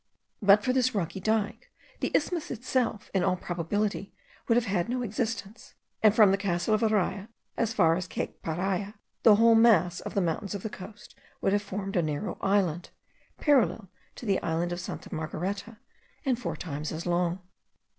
But for this rocky dyke, the isthmus itself in all probability would have had no existence; and from the castle of Araya as far as Cape Paria, the whole mass of the mountains of the coast would have formed a narrow island, parallel to the island of Santa Margareta, and four times as long.